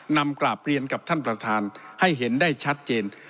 นำกราบเรียนกับท่านประธานให้เห็นได้ชัดเจน